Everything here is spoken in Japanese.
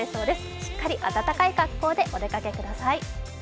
しっかり暖かい格好でお出かけください。